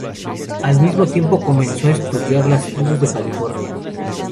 Al mismo tiempo comenzó a estudiar las tribus de California.